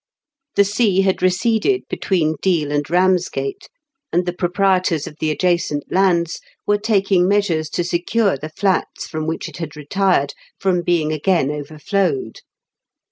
The sea had receded between Deal and Eamsgate, and the proprietors of the adjacent lands were taking measures to secure the flats from which it had retired from being again overflowed.